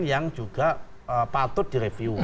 yang juga patut direview